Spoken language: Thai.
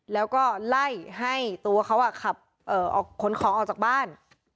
แล้วก็ไล่ให้ตัวเขาขับขนของออกจากบ้าน